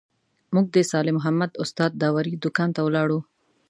موږ د صالح محمد استاد داوري دوکان ته ولاړو.